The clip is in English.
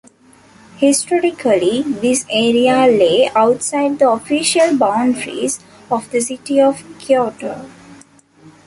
Historically, this area lay outside the official boundaries of the city of Kyoto.